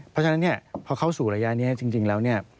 เพราะฉะนั้นพอเข้าสู่ระยะนี้จริงแล้ว